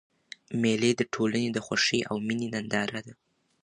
مېلې د ټولني د خوښۍ او میني ننداره ده.